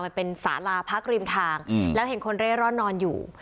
มันเป็นสาราพักริมทางแล้วเห็นคนเร่ร่อนนอนอยู่